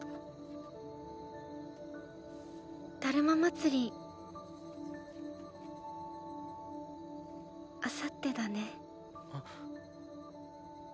だるま祭りあさってだね。